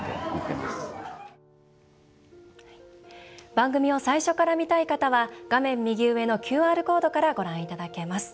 番組を最初から見たい方は画面右上のＱＲコードからご覧いただけます。